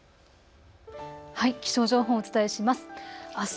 気象情報、お伝えします。